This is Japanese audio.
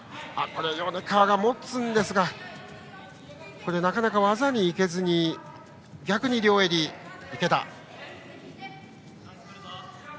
米川が持つんですがなかなか技に行けずに逆に両襟です。